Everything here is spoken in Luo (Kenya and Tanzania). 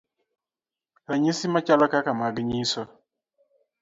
Ranyisi machalo kaka mag nyiso